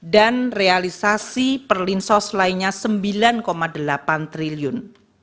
dan realisasi perlinsos lainnya rp sembilan delapan triliun